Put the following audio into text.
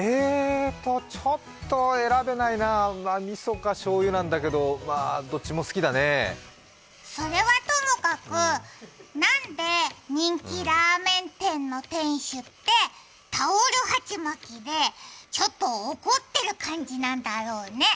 ちょっと選べないなぁ、みそかしょうゆなんだけど、それはともかく何で人気ラーメン店の店主って、タオル鉢巻きで、ちょっと怒ってる感じなんだろうね。